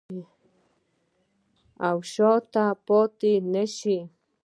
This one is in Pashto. او شاته پاتې نشو.